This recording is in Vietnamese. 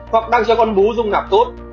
hoặc đang cho con bú dùng nạp tốt